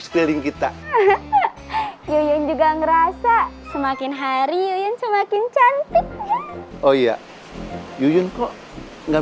sekeliling kita juga ngerasa semakin hari semakin cantik oh iya yuyun kok nggak